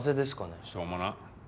しょうもな。